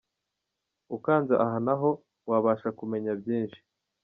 Ukanze aha naho wabasha kumenya byinshi.